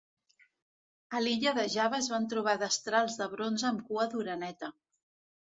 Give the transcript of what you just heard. A l'illa de Java es van trobar destrals de bronze amb cua d'oreneta.